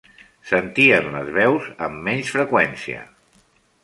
Sentien les veus amb menys freqüència.